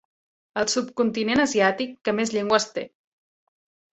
El subcontinent asiàtic que més llengües té.